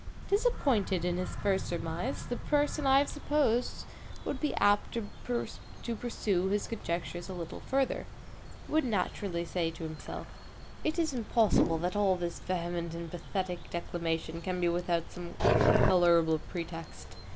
Disappointed in his first surmise, the person I have supposed would be apt to pursue his conjectures a little further. He would naturally say to himself, it is impossible that all this vehement and pathetic declamation can be without some colorable pretext.